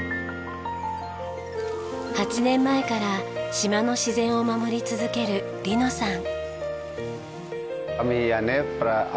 ８年前から島の自然を守り続けるリノさん。